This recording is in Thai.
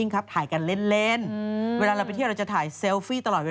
ครับถ่ายกันเล่นเวลาเราไปเที่ยวเราจะถ่ายเซลฟี่ตลอดเวลา